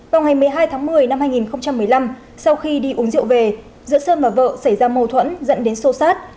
vào ngày một mươi hai tháng một mươi năm hai nghìn một mươi năm sau khi đi uống rượu về giữa sơn và vợ xảy ra mâu thuẫn dẫn đến sô sát